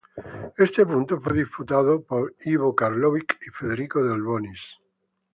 Este punto fue disputado por Ivo Karlovic y Federico Delbonis.